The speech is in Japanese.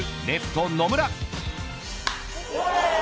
レフト野村。